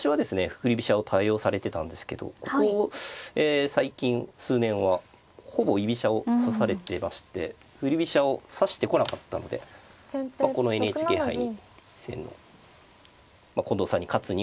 振り飛車を多用されてたんですけどここ最近数年はほぼ居飛車を指されてまして振り飛車を指してこなかったのでこのＮＨＫ杯戦近藤さんに勝つにはということで。